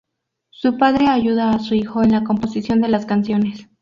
Su padre ayuda a su hijo en la composición de las canciones.